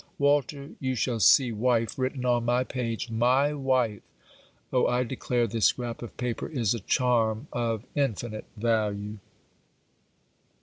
Walter, you shall see wife written on my page my wife! Oh, I declare this scrap of paper is a charm of infinite value!